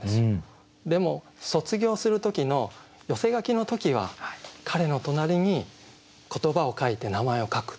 でも卒業する時の寄せ書きの時は彼の隣に言葉を書いて名前を書く。